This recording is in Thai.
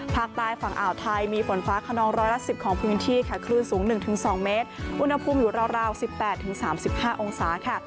ภาคใต้ฝั่งอ่าวไทยมีฝนฟ้าขนองร้อยละ๑๐ของพื้นที่ค่ะคลื่นสูง๑๒เมตรอุณหภูมิอยู่ราว๑๘๓๕องศาค่ะ